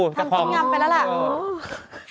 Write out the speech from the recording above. ทั้งตุ๊กยำไปแล้วแหละโอ้โฮ